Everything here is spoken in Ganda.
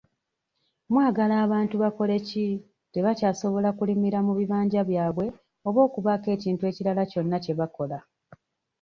Mwagala abantu bakoleki, tebakyasobola kulimira mu bibanja byabwe oba okubaako ekintu ekirala kyonna kye bakola.